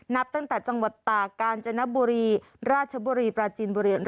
นับตั้งแต่จังหวัดตากาญจนบุรีราชบุรีปราจีนบุรี